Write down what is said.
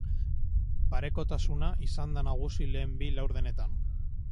Parekotasuna izan da nagusi lehen bi laurdenetan.